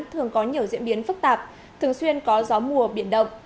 thường có nhiều diễn biến phức tạp thường xuyên có gió mùa biển động